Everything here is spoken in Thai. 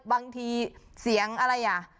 บางทีเสียงอะไรอ่ะ